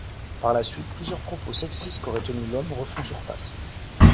Par la suite, plusieurs propos sexistes qu'aurait tenus l'homme refont surface.